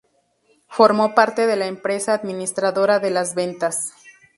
Formó parte de la empresa administradora de Las Ventas.